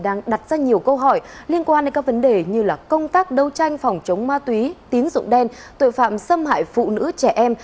đang đặt ra nhiều câu hỏi liên quan đến các vấn đề như công tác đấu tranh phòng chống ma túy tín dụng đen tội phạm xâm hại phụ nữ trẻ em